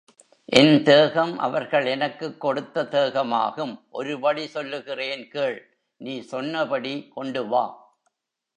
என் தேகம் அவர்கள் எனக்குக் கொடுத்த தேகமாகும் ஒரு வழி சொல்லுகிறேன் கேள் நீ சொன்னபடி கொண்டு வா.